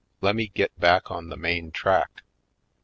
Lemme git back on the main track.